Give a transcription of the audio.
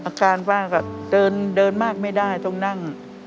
อาการป้าก็เดินมากไม่ได้ต้องนั่ง